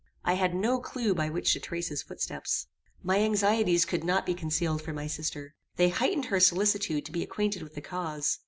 I had no clue by which to trace his footsteps. My anxieties could not be concealed from my sister. They heightened her solicitude to be acquainted with the cause.